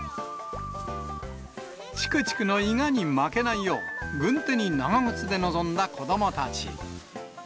ちくちくのいがに負けないよう、軍手に長靴で臨んだ子どもたち。